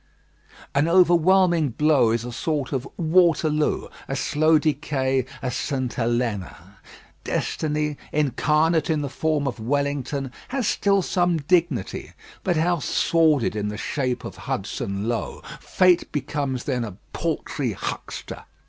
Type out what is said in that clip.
An overwhelming blow is a sort of Waterloo, a slow decay, a St. Helena. Destiny, incarnate in the form of Wellington, has still some dignity; but how sordid in the shape of Hudson Lowe. Fate becomes then a paltry huckster.